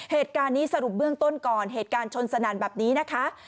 เหตุการณ์นี้สรุปเบื้องต้นก่อนเหตุการณ์ชนสนานแบบนี้นะคะ